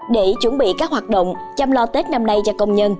để chuẩn bị các hoạt động chăm lo tết năm nay cho công nhân